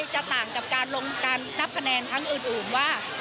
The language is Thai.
จะต่างกับการลงการนับคะแนนครั้งอื่นว่า